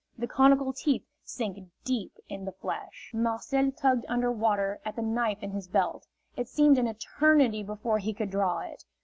The conical teeth sank deep in the flesh. Marcel tugged under water at the knife in his belt. It seemed an eternity before he could draw it.